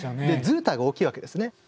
ずうたいが大きいわけですね。